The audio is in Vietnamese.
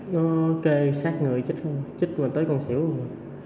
nó kê sát người chích mình tới con xỉu rồi